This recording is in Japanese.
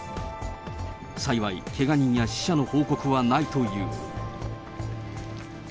幸い、けが人や死者の報告はないという。